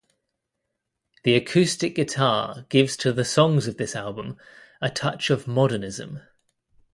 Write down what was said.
The acoustic guitar gives to the songs of this album a touch of modernism.